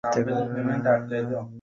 মাফ করে দাও সাজ্জাদ!